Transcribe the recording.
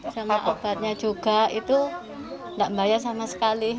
sama obatnya juga itu tidak bayar sama sekali